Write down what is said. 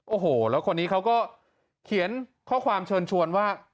โอ้โหแล้วคนนี้เขาก็เขียนข้อความเชิญชวนว่า